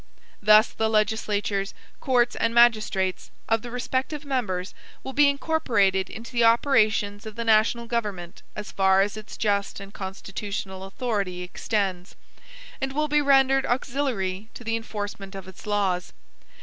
Thus the legislatures, courts, and magistrates, of the respective members, will be incorporated into the operations of the national government AS FAR AS ITS JUST AND CONSTITUTIONAL AUTHORITY EXTENDS; and will be rendered auxiliary to the enforcement of its laws.